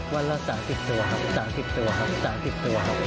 วันละ๓๐ตัวครับ๓๐ตัวครับ๓๐ตัวครับ